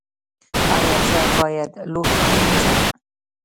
ایا زه باید لوښي پریمنځم؟